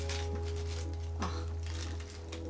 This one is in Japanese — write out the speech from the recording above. あっ